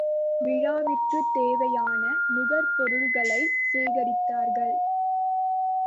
விழாவிற்குத் தேவையான நுகர் பொருள்களைச் சேகரித்தார்கள்.